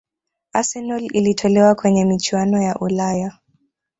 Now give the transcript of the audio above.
arsenal ilitolewa kwenye michuano ya ulaya